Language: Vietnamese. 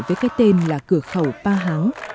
với cái tên là cửa khẩu pa háo